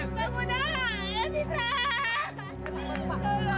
ya udah kita bisa